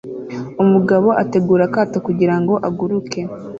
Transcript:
Umugabo ategura akato kugirango aguruke